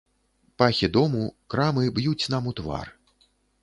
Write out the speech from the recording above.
Пахі дому, крамы б'юць нам у твар.